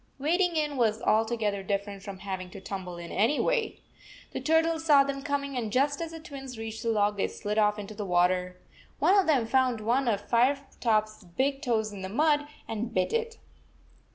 Wading in was altogether different from having to tumble in, anyway. The turtles saw them coming, and just as the Twins reached the log, they slid off into the water. One of them found one of Fire top s big toes in the mud, and bit it.